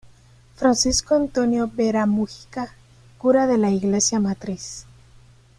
Francisco Antonio Vera Mujica, cura de la iglesia matriz.